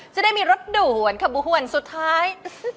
จะได้มีระดูกอ่อนขบูหันสุดท้าย